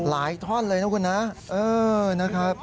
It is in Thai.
หลายท่อนเลยนะครับคุณนะเออนะครับ